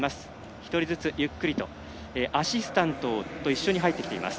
１人ずつ、ゆっくりとアシスタントと一緒に入ってきています。